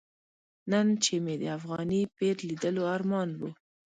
نن چې مې د افغاني پیر لیدلو ارمان و.